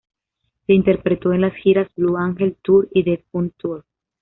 Se interpretó en las giras Blue Angel Tour y The Fun Tour.